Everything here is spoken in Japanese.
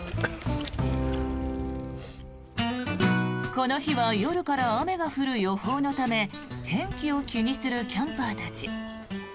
この日は夜から雨が降る予報のため天気を気にするキャンパーたち。